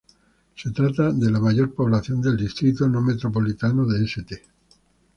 Se trata de la mayor población del distrito no metropolitano de St.